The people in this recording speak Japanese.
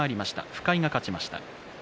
深井が勝ちました。